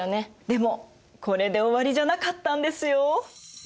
でもこれで終わりじゃなかったんですよ。